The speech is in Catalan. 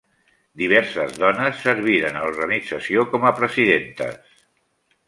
Diverses dones serviren a l'organització com a presidentes.